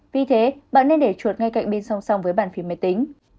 vì thế bạn nên để chuột ngay cạnh bên song song với bàn phím máy tính